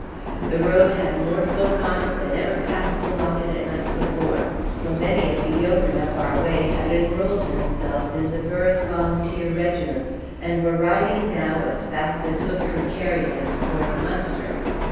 The road had more folk on it than ever passed along it at night before; for many of the yeomen up our way had enrolled themselves in the Berwick volunteer regiments, and were riding now as fast as hoof could carry them for the muster.